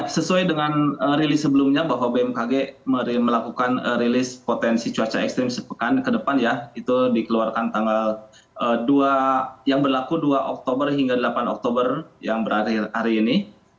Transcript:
sesuai dengan rilis sebelumnya bahwa bmkg melakukan rilis potensi cuaca ekstrim sepekan ke depan ya itu dikeluarkan tanggal dua oktober hingga delapan oktober yang berakhir hari ini